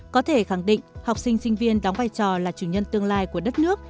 có thể khẳng định học sinh sinh viên đóng vai trò là chủ nhân tương lai của đất nước